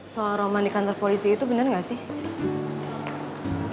soal roman di kantor polisi itu benar gak sih